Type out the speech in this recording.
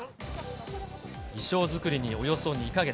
衣装作りにおよそ２か月。